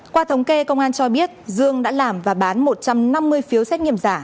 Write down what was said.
qua thống kê công an cho biết dương đã làm và bán một trăm năm mươi phiếu xét nghiệm giả